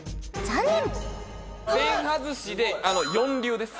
残念！